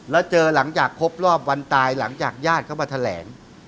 แล้วเจอหลังจากครบรอบวันตายหลังจากญาติเข้ามาแถลง